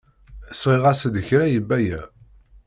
Sɣiɣ-as-d kra i Baya.